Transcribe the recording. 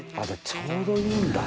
ちょうどいいんだ。